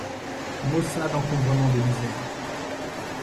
Maussade encombrement de misères.